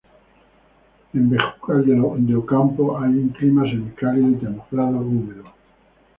En Bejucal de Ocampo hay un clima semi-cálido y templado húmedo.